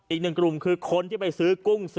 อีกหนึ่งกลุ่มคือคนที่ไปซื้อกุ้ง